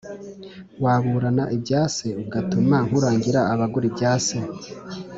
waburana ibyase ugatuma nkurangira abagura ibyase